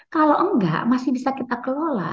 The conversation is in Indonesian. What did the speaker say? kalau enggak masih bisa kita kelola